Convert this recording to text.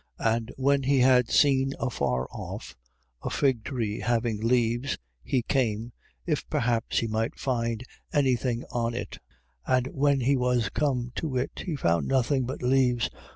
11:13. And when he had seen afar off a fig tree having leaves, he came, if perhaps he might find any thing on it. And when he was come to it, he found nothing but leaves.